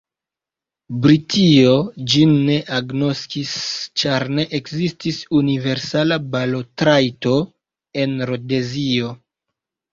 Britio ĝin ne agnoskis, ĉar ne ekzistis universala balotrajto en Rodezio.